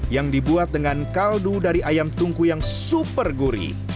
yang dibuat dengan kaldu dari ayam tungku yang super gurih